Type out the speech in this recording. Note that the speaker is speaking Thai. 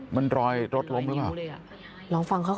มันรอยรดล้มเองอ่ะ